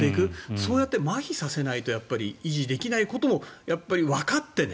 そうやってまひさせないと維持できないことをやっぱりわかってね。